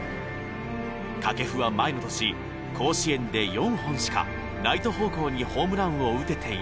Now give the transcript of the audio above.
掛布は前の年甲子園で４本しかライト方向にホームランを打てていない。